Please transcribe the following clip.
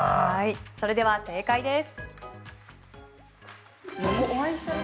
それでは正解です。